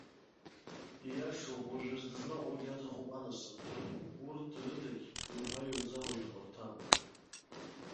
Ииашоуп, уажәы дызлаҟоугьы аҭахуп анасыԥ, урҭ рыдагь, иуҳәа-иуӡа, уаҩ дхәарҭам.